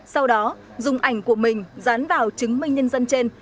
sau đó dùng ảnh của mình dán vào chứng minh nhân dân trên